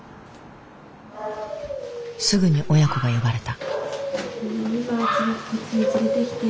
すぐに親子が呼ばれた。